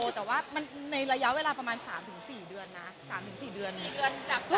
แต่ว่ามันในระยะเวลาประมาณ๓๔เดือน